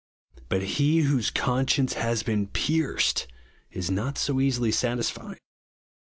But he whose conscience has been pierced, is not so easily satisfied.